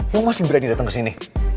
lo masih berani dateng kesini